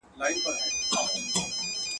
د ماښام ډوډۍ سپکه وخورئ.